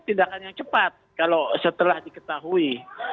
tindakan yang cepat kalau setelah diketahui